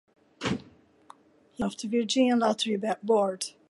He later served as chairman of the Virginia Lottery board.